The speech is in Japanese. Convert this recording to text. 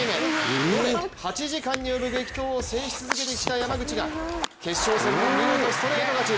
延べ８時間に及ぶ激闘を制し続けてきた山口が決勝戦も見事ストレート勝ち。